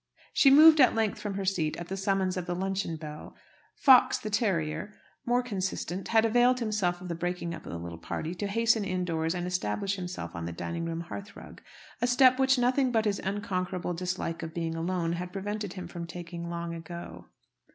She moved at length from her seat at the summons of the luncheon bell. Fox the terrier, more consistent, had availed himself of the breaking up of the little party to hasten indoors and establish himself on the dining room hearthrug: a step which nothing but his unconquerable dislike to being alone, had prevented him from taking long ago.